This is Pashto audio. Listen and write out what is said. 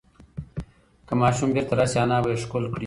که ماشوم بیرته راشي، انا به یې ښکل کړي.